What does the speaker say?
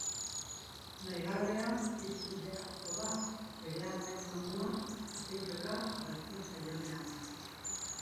Nahigabea izu bilakatuko da bere amaren mamua ate joka agertzen zaionean.